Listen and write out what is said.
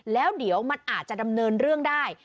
แล้วเดี๋ยวมันอาจจะดำเนินเรื่องได้